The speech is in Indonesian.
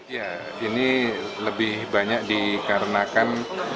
ya ini lebih banyak dikarenakan